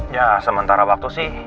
ya sementara waktu sih